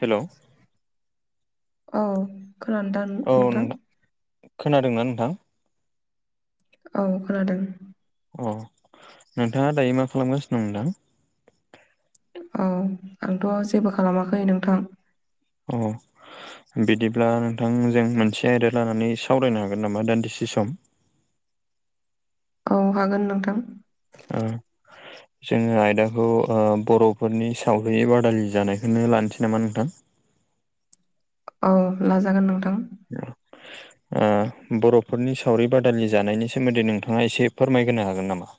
हेल'। औ खोनादों [unintelligible] औ नोंथां खोनादोंना नोंथां? औ खोनादों। अ नोंथाङा दायो मा खालामगासिनो दं नोंथां? औ आंथ' जेबो खालामाखै नोंथां। अ। बिदिब्ला नोंथांजों मोनसे आयदा लानानै सावरायनो हागोन नामा दान्दिसे सम? औ हागोन नोंथां। [unintelligible] जोङो आयदाखौ बर'फोरनि सावरि बादालि जानायखौनो लानोसै नामा नोंथां? औ लाजागोन नोंथां। [unintelligible] बर'फोरनि सावरि बादालि जानायनि सोमोन्दै नोंथाङा एसे फोरमायहोनो हागोन नामा?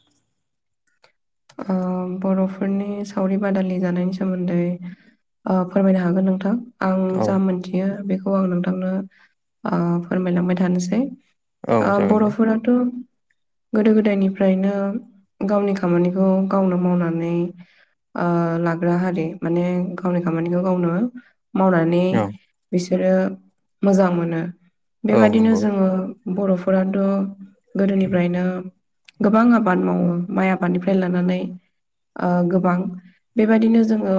बर'फोरनि सावरि बादालि जानायनि सोमोन्दै। ओ फोरमायनो हागोन नोंथां। आं औ जा मोनथियो बेखौ आं नोंथांनो ओ फोरमायलांबाय थानोसै। औ जागोन दे बर'फोराथ' गोदो -गोदायनिफ्रायनो गावनि खामानिखौ औ गावनो मावनानै लाग्रा हारि माने गावनि खामानिखौ गावनो मावनानै औ बिसोरो मोजां मोनो औ बेबादिनो नंगौ जोङो बर'फोराथ' गोदोनिफ्रायनो गोबां आबाद मावो माइ आबादनिफ्राय [unintelligible] लानानै गोबां बेबायदिनो जोङो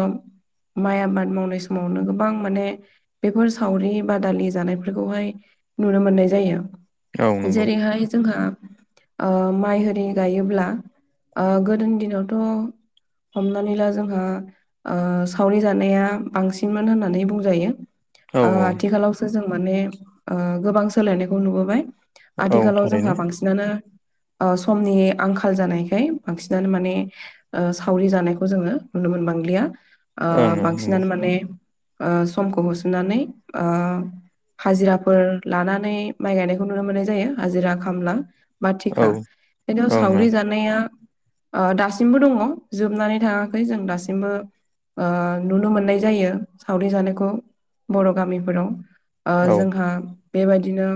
माइ आबाद मावनाय समावनो गोबां माने बेफोर सावरि बादालि जानायफोरखौहाय नुनो मोननाय जायो। औ नंगौ जेरैहाय जोंहा माइ आरि गायोब्ला गोदोनि दिनावथ' हमनानै ला जोंहा सावरि जानाया बांसिनमोन होननानै बुंजायो। औ औ आथिखालावसो जों माने गोबां सोलायनायखौ नुबोबाय। औ आथिखालाव थारैनो जोंहा बांसिनानो समनि आंखाल जानायखाय बांसिनानो माने सावरि जानायखौ जोङो नुनो मोनबांलिया। ओ ओं ओं नंगौ बांसिनानो माने ओ समखौ होसोनानै ओ हाजिराफोर लानानै माइ गायनायखौ नुनो मोननाय जायो हाजिरा खामला। औ बाथिखा ओं बेनियाव ओं सावरि जानाया दासिमबो दङ जोबनानै थाङाखै। जों दासिमबो नुनो मोननाय जायो सावरि जानायखौ बर' गामिफोराव। औ ओं जोंहा बेबायदिनो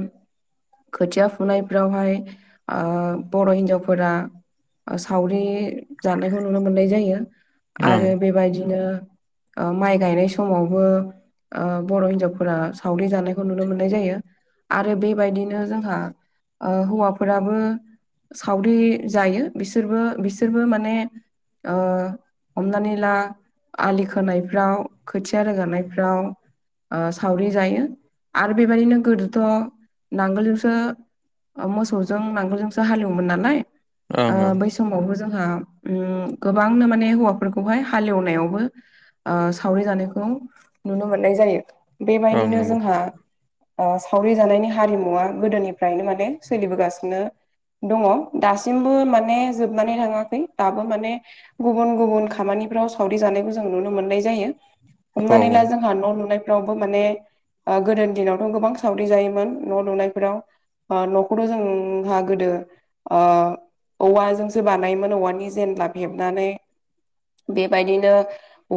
खोथिया फुनायफ्रावहाय ओ बर' हिन्जावफोरा सावरि जानायखौ नुनो मोननाय जायो आरो बेबायदिनो माइ गायनाय समावबो ओ बर' हिनजावफोरा सावरि जानाय नुनो मोननाय जायो। आरो बेबायदिनो जोंहा हौवाफोराबो सावरि जायो। बिसोरबो -बिसोरबो माने ओ हमनानै ला आलि खोनायफ्राव खोथिया रोगानायफ्राव ओ सावरि जायो आरो बेबायदिनो गोदोथ' नांगोलजोंसो मोसौजों नांगोलजोंसो हालेवोमोन नालाय। ओं ओ ओं बै समावबो जोंहा गोबांनो माने हौवाफोरखौहाय हालेवनायावबो ओ सावरि जानायखौ नुनो मोननाय जायो। ओं बेबायदिनो नंगौ जोंहा ओ सावरि जानायनि हारिमुवा गोदोनिफ्रायनो माने सोलिबोगासिनो दङ दासिमबो माने जोबनानै थाङाखै, दाबो माने गुबुन गुबुन खामानिफ्राव सावरि जानायखौ जों नुनो मोननाय जायो। औ हमनानै ला जों जोंहा न' लुनायफ्रावबो माने गोदोनि दिनावथ' गोबां सावरि जायोमोन न' लुनायफोराव। ओन'खौथ' ओ जोंहा गोदो औवाजोंसो बानायोमोन औवानि जेनला हेबनानै। बेबायदिनो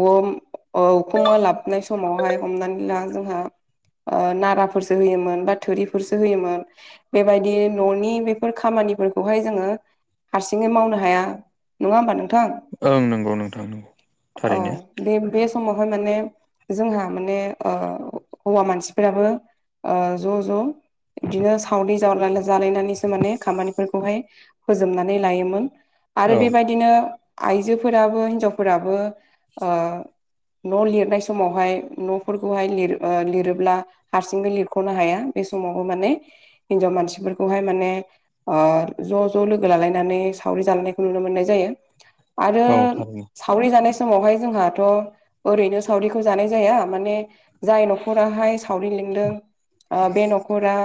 उखुम ओलाबनाय समावहाय हमनानै ला जोंहा ओ नाराफोरसो होयोमोन बा थोरिफोरसो होयोमोन। बेबायदि न'नि बेफोर खामानिफोरखौहाय जोङो हारसिङै मावनो हाया नङा होमबा नोंथां। ओं नंगौ नोंथां नंगौ औ थारैनो। बे बे समावहाय माने जोंहा माने हौवा मानसिफोराबो ओ ज' ज' बिदिनो सावरि जावलाय जालायनानैसो माने खामानिफोरखौहाय फोजोबनानै लायोमोन आरो औ बेबादिनो आइजोफोराबो हिन्जावफोराबो न' लिरनाय समावहाय न'फोरखौहाय लो लिरोब्ला हारसिंनो लिरख'नो हाया बे समावबो माने हिन्जाव मानसिफोरखौहाय माने ज' ज' लोगो लालायनानै सावरि जालायनायखौ नुनो मोननाय जायो आरो औ थारैनो सावरि जानाय समावहाय जोंहाथ' ओरैनो सावरिखौ जानाय जाया माने जाय न'खराहाय सावरि लिंदों ओ बे न'खरा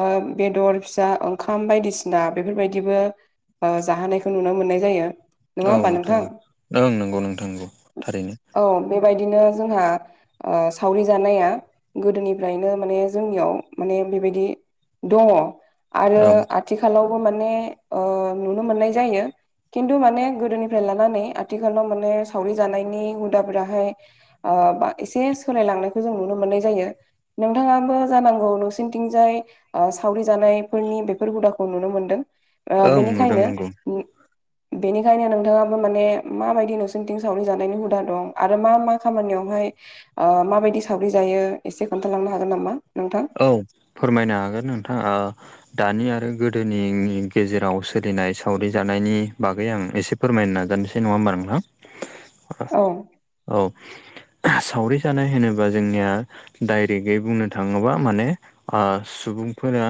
ओ बेदर फिसा ओंखाम बायदिसिना बेफोरबायदि बो जाहोनायखौ नुनो मोननाय जायो। नङा औ होमबा नोंथां ओं नंगौ नोंथां नंगौ थारैनो। औ बेबायदिनो जोंहा ओ सावरि जानाया गोदोनिफ्रायनो माने जोंनियाव माने बेबायदि दङ आरो ओं आथिखालावबो माने नुनो मोननाय जायो। खिन्थु माने गोदोनिफ्राय लानानै आथिखालाव माने सावरि जानायनि हुदाफोराहाय ओ बा एसे सोलायलांनायखौ जों नुनो मोननाय जायो। नोंथाङाबो जानांगौ न'सिनिथिंजाय ओ सावरि जानायफोरनि बेफोर हुदाखौ नुनो मोनदों। ओ ओं नुदों बेनिखायनो नंगौ बेनिखायनो नोंथाङाबो माने माबायदि नोंसोरथिं सावरि जानायनि हुदा दं आरो मा मा खामानियावहाय ओ माबायदि सावरि जायो एसे खोन्थालांनो हागोन नामा नोंथां? औ फोरमायनो हागोन नोंथां। ओ दानि आरो गोदोनिनि गेजेराव सोलिनाय सावरि जानायनि बागै आं एसे फोरमायनो नाजानोसै नङा होनबा नोंथां। औ औ सावरि जानाय होनोबा जोंनिया डाइरेक्टयै बुंनो थाङो ङोबा माने सुबुंफोरा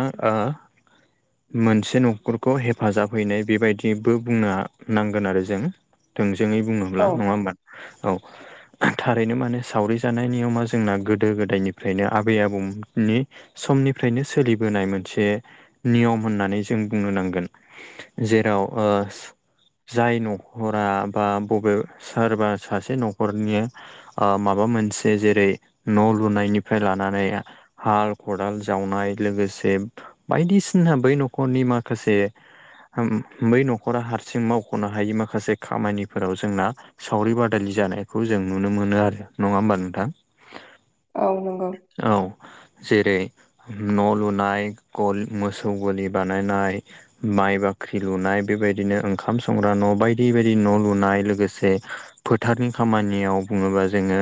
मोनसे न'खरखौ हेफाजाब हैनाय बेबायदिबो बुंनो नांगोन आरो जों। थोंजोङै औ बुङोब्ला नङा होमबा औ। थारैनो माने सावरि जानाय नियमा जोंना गोदो गोदायनिफ्रायनो आबै आबौ नि समनिफ्रायनो सोलिबोनाय मोनसे नियम होननानै जों बुंनो नांगोन। जेराव ओ जाय न'खरा बा बबे सोरबा सासे न'खरनिया माबा मोनसे जेरै न' लुनायनिफ्राय लानानै हाल खदाल जावनाय, लोगोसे बायदिसिना बै न'खरनि माखासे बै न'खरा हारसिं मावख'नो हायि माखासे खामानिफोराव जोंना सावरि बादालि जानायखौ जों नुनो मोनो आरो नङा होमबा नोंथां। औ नंगौ औ जेरै, न' लुनाय मोसौ गलि बानायनाय माइ बाख्रि लुनाय बेबायदिनो ओंखाम संग्रा न' बायदि -बायदि न' लुनाय लोगोसे फोथारनि खामानियाव बुङोबा जोङो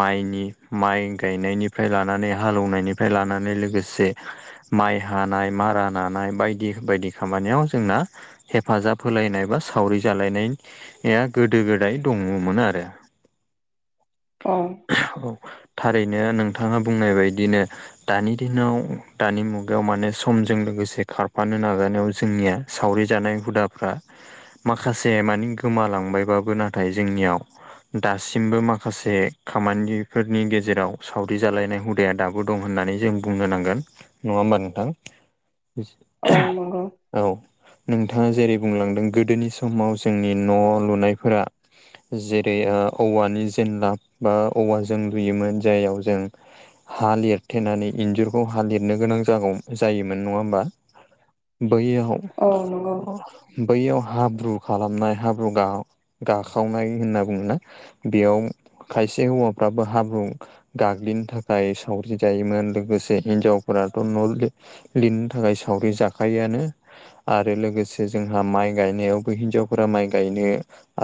माइनि माइ गायनायनिफ्राय लानानै हालेनायनिफ्राय लानानै लोगोसे माइ हानाय मारा नानाय बायदि बायदि खामानियाव जोंना हेफाजाब होलायनाय बा सावरि जालायनायनि गोदो गोदाय दङमोन आरो। अ औ थारैनो नोंथाङा बुंनाय बायदिनो दानि दिनाव दानि मुगायाव माने समजों लोगोसे खारफानो नाजानायाव जोंनिया सावरि जानाय हुदाफ्रा माखासे मानि गोमालांबायबाबो नाथाय जोंनियाव दासिमबो माखासे खामानिफोरनि गेजेराव सावरि जालायनाय हुदाया दाबो दं होननानै जों बुंनो नांगोन नङा होमबा नोंथां। औ नंगौ औ नोंथाङा जेरै बुंलांदों गोदोनि समाव जोंनि न' लुनायफोरा जेरै औवानि जेनला बा औवााजों लुयोमोन जाययाव जों हा लिरथेनानै इन्जुरखौ हा लिरनो गोनां जागौ- जायोमोन नङा होमबा बायया औ नंगौ [unintelligible] बैयाव हाब्रु खालामनाय हाब्रु गाखावनाय होनना बुङोना। बेयाव खायसे हौवाफ्राबो हाब्रु गाग्लिनो थाखाय जाय सावरि जायोमोन लोगोसे हिनजावफोराथ' न' लिरनो थाखाय सावरि जाखायोआानो। आरो लोगोसे जोंहा माइ गायनायावबो हिन्जावफोरा माइ गायनो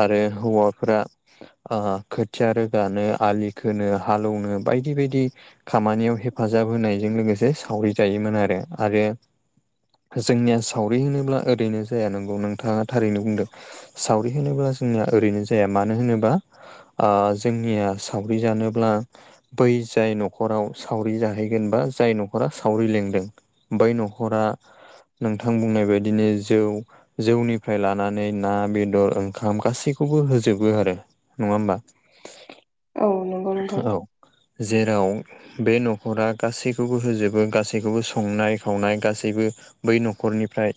आरो हौवाफोरा खोथिया रोगानो आलि खोनो हालेवनो बायदि- बायदि खामानियाव हेफाजाब होनायजों लोगोसे सावरिजायोमोन आरो। आरो जोंनिया सावरि होनोब्ला ओरैनो जाया नंगौ नोंथाङा थारैनो बुंदों सावरि होनोब्ला जोंना ओरैनो जाया मानो होनोब्ला जोंनिया सावरि जानोब्ला बै जाय न'खर न'खराव सावरि जाहैगोन बा जाय न'खरा सावरि लिंदों बै न'खरा नोंथां बुंनाय बायदिनो जौ जौनिफ्राय लानानै ना, बेदर, ओंखाम गासैखौबो होजोबो आरो। नङा होमबा? औ नंगौ नोंथां औ जेराव बे न'खरा गासैखौबो होजोबो गासैखौबो संनाय खावनाय गासैबो बै न'खरनिफ्राय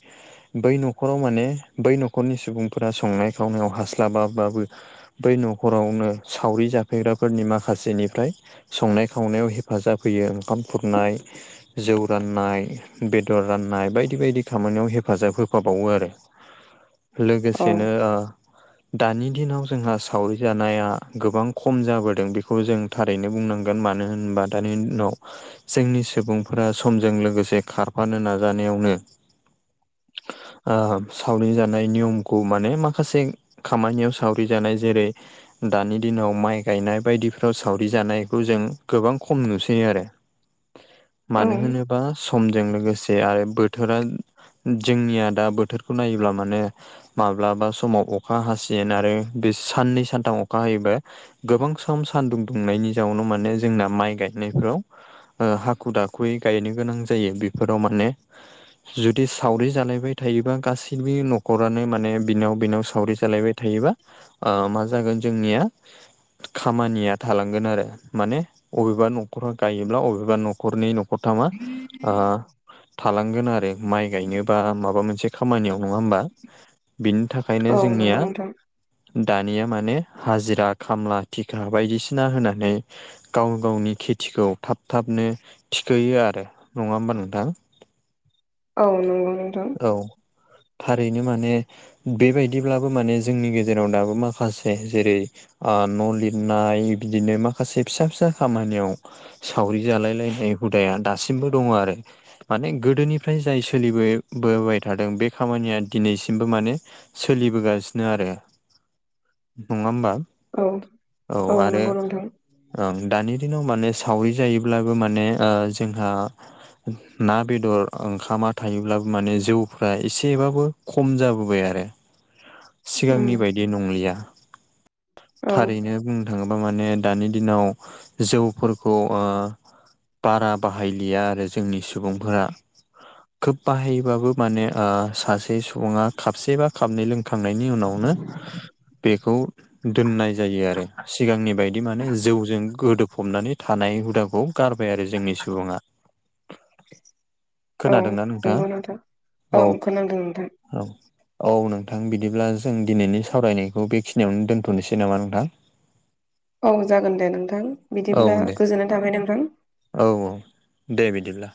बै न'खराव माने बै न'खरनि सुबुंफोरा संनाय खावनायाव हास्लाबाबाबो बै न'खरावनो सावरि जाफैग्राफोरनि माखासेनिफ्राय संनाय खावनायाव हेफाजाब होयो ओंखाम खुरनाय जौ राननाय बेदर राननाय बायदि- बायदि खामानियाव हेफाजाब होफाबावो आरो। औ लोगोसेनो ओ दानि दिनाव जोंहा सावरि जानाया गोबां खम जाबोदों बेखौ जों थारैनो बुंनांगौ। गोन मानो होनबा दानि दिनाव जोंनि सुबुंफोरा समजों लोगोसे खारफानो नाजानायावनो [inaudible] ओ सावरि जानाय नियमखौ माने माखासे खामानियाव सावरि जानाय जेरै दानि दिनाव माइ गायनाय बायदिफ्राव सावरि जानाय बे खौ जों गोबां खम नुसैयो आरो। औ मानो होनोब बा समजों लोगोसे आरो बोथोरा जोंनिया दा बोथोरखौ नायोब्ला माने माब्लाबा समाव अखा हासिन आरो बे साननै सानथाम अखा हायोबा गोबां सम सान्दुं दुंनायनि जाउनाव माने जोंना माइ गायनायफ्राव हाखु दाखुयै गायनो गोनां जायो बेफोराव माने जुदि सावरि जालायबाय थायोबा गासैबो न'खरानो माने बिनाव बिनाव सावरि जालायबाय थायोबा मा ओ जागोन जोंनिया खामानिया थालांगोन आरो। माने अबेबा न'खर गायोब्ला अबेबा न'खरनि न'खरथामा ओ थालांगोन आरो माइ गायनोबा माबा मोनसे खामानियाव नङा होमबा। बिनि थाखायनो औ नंगौ जोंनिया नोंथां दानिया माने हाजिरा खामला थिखा बायदिसिना होनानै गाव गावनि खेथिखौ थाब थाबनो थिखोयो आरो नङा होमबा नोंथां। [inaudible] औ नंगौ नोंथां। औ थारैनो माने बेबायदिब्लाबो माने जोंनि गेजेराव दाबो माखासे जेरै ओ न' लिरनाय बिदिनो माख खासे फिसा फिसा खामानियाव सावरि जालाय लायनाय हुदाया दासिमबो दङ आरो। माने गोदोनिफ्राय जाय सोलिबो बोबाय थादों बे खामानिया दिनैसिमबो माने सोलिबोगासिनो आरो नङा होमबा। औ औ आरो नंगौ नोंथां ओं दानि दिनाव माने सावरि जायोब्लाबो माने ओ जोंहा ना बेदर ओंखामा थायोब्लाबो माने जौफ्रा एसेबाबो खम जाबोबाय आरो। सिगांनि उम बायदि नंलिया औ थारैनो बुंनो थाङोब्ला माने दानि दिनाव जौफोरखौ ओ बारा बाहायलिया आरो जोंनि सुबुंफोरा। खोब बाहायोबाबो माने ओ सासे सुबुङा खाबसेबा खाबनै लों खांनायनि उनावनो बेखौ दोननाय जायो आरो। सिगांनि बायद दि माने जौजों गोदोफबनानै थानाय हुदाखौ गारबाय आरो जोंनि सुबुङा। औ खोनादोंना नंगौ नोंथां नोंथाङा औ। खोनादों नोंथां औ औ नोंथां बिदिब्ला जों दिनैनि सावरायनायखौ बेखिनियावनो दोनथ'नोसै नामा नोंथां। औ जागोन दे नोंथां औ बिदिब्ला दे गोजोननाय थाबाय नोंथां। औ औ दे बिदिब्ला।